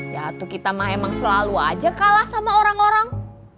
ya tuh kita mah emang selalu aja kalah sama orang orang